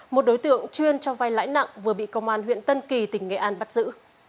một đối tượng chuyên cho vai lãi nặng vừa bị công an huyện tân kỳ tỉnh nghệ an bắt giữ